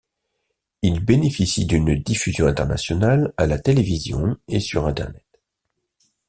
Il bénéficie d'une diffusion internationale à la télévision et sur internet.